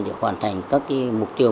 để hoàn thành các cái mục tiêu